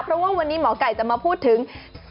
เพราะว่าวันนี้หมอไก่จะมาพูดถึง